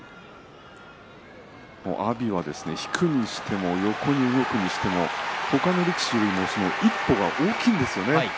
阿炎は引くにしても横に動くにしても他の力士よりも一歩が大きいんですよね。